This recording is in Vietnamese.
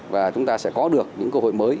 và chúng ta sẽ có được những cơ hội mới